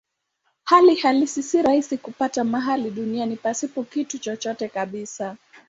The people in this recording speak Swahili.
Hali halisi si rahisi kupata mahali duniani pasipo kitu chochote kabisa.